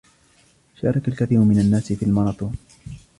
شارك الكثير من الناس في الماراثون.